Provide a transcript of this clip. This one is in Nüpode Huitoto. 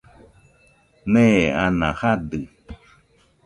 Nee, ana jadɨ